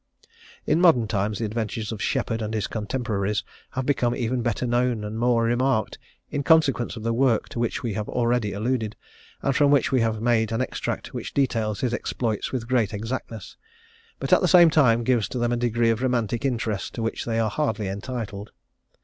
In modern times, the adventures of Sheppard and his contemporaries have become even better known and more remarked, in consequence of the work to which we have already alluded, and from which we have made an extract which details his exploits with great exactness; but at the same time gives to them a degree of romantic interest to which they are hardly entitled.